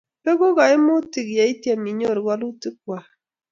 Beku kaimutik ye ityem inyoru wolutikwach